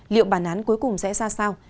liệu bản án cuối cùng sẽ ra sao